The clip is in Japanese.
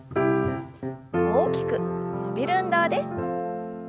大きく伸びる運動です。